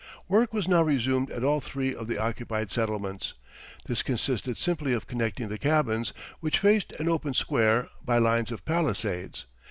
Work was now resumed at all three of the occupied settlements; this consisted simply of connecting the cabins, which faced an open square, by lines of palisades.